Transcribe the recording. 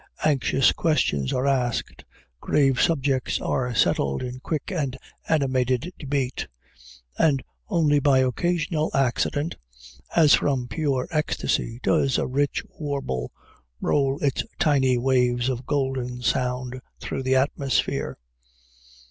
Anxious questions are asked, grave subjects are settled in quick and animated debate, and only by occasional accident, as from pure ecstasy, does a rich warble roll its tiny waves of golden sound through the atmosphere.